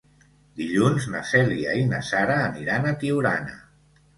Dilluns na Cèlia i na Sara aniran a Tiurana.